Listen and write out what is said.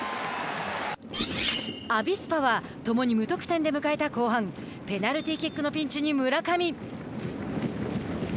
アビスパは共に無得点で迎えた後半ペナルティーキックのピンチに村上。